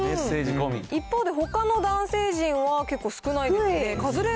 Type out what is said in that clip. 一方でほかの男性陣は結構少ないですね。